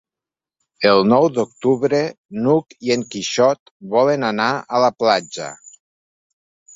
El nou d'octubre n'Hug i en Quixot volen anar a la platja.